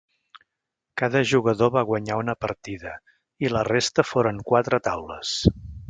Cada jugador va guanyar una partida, i la resta foren quatre taules.